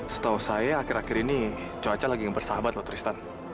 setahu saya akhir akhir ini cuaca lagi yang bersahabat loh tristan